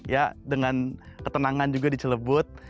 ya dengan ketenangan juga di celebut